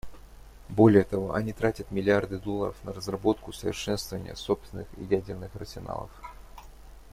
Более того, они тратят миллиарды долларов на разработку и совершенствование собственных ядерных арсеналов.